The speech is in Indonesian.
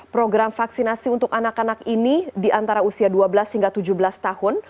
program vaksinasi untuk anak anak ini di antara usia dua belas hingga tujuh belas tahun